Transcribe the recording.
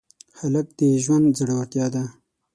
هلک د ژوند زړورتیا ده.